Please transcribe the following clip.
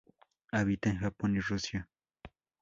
Habita en Japón y Rusia.